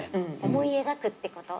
思い描くってこと。